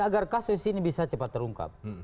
agar kasus ini bisa cepat terungkap